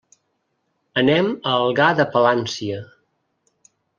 Anem a Algar de Palància.